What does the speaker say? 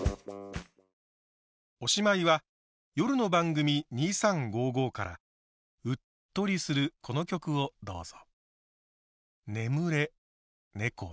おしまいは夜の番組「２３５５」からうっとりするこの曲をどうぞ。